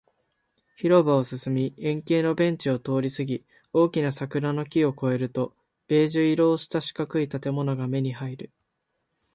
広場を進み、円形のベンチを通りすぎ、大きな欅の木を越えると、ベージュ色をした四角い建物が目に入る